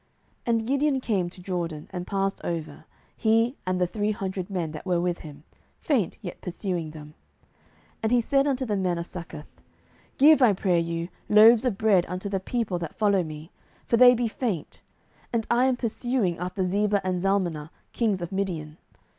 07:008:004 And Gideon came to Jordan, and passed over, he, and the three hundred men that were with him, faint, yet pursuing them. 07:008:005 And he said unto the men of Succoth, Give, I pray you, loaves of bread unto the people that follow me; for they be faint, and I am pursuing after Zebah and Zalmunna, kings of Midian.